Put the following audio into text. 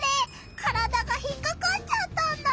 体が引っかかっちゃったんだ。